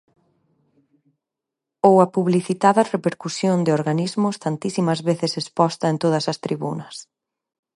Ou a publicitada repercusión de organismos tantísimas veces exposta en todas as tribunas.